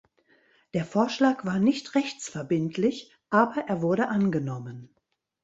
Der Vorschlag war nicht rechtsverbindlich, aber er wurde angenommen.